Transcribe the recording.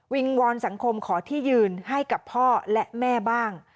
วอนสังคมขอที่ยืนให้กับพ่อและแม่บ้าง